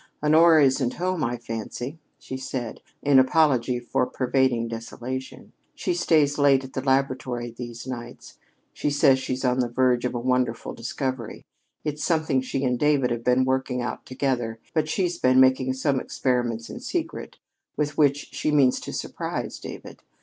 "Honora isn't home, I fancy," she said, in apology for the pervading desolation. "She stays late at the laboratory these nights. She says she's on the verge of a wonderful discovery. It's something she and David have been working out together, but she's been making some experiments in secret, with which she means to surprise David.